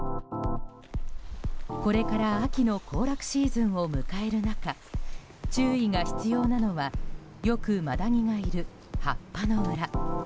これから秋の行楽シーズンを迎える中注意が必要なのはよくマダニがいる葉っぱの裏。